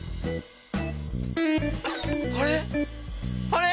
あれ？